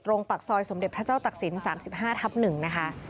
ปากซอยสมเด็จพระเจ้าตักศิลป๓๕ทับ๑นะคะ